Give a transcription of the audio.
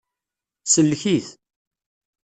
Sellek-it.